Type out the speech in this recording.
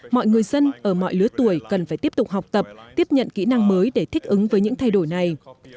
mọi người dân ở mọi lứa tuổi cần phải tiếp tục học tập tiếp nhận kỹ năng mới để thích ứng với những thay đổi này